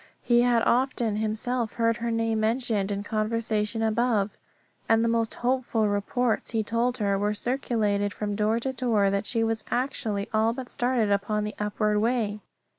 He had often himself heard her name mentioned in conversation above; and the most hopeful reports, he told her, were circulated from door to door that she was actually all but started on the upward way.